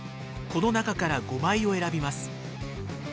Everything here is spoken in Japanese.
この中から５枚を選びます。